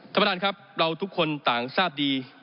ท่านประธานครับเราทุกคนต่างทราบดี